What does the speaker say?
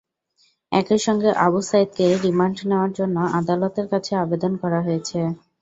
একই সঙ্গে আবু সাঈদকে রিমান্ড নেওয়ার জন্য আদালতের কাছে আবেদন করা হয়েছে।